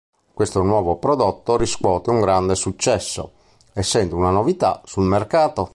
Questo nuovo prodotto riscuote un grande successo, essendo una novità sul mercato.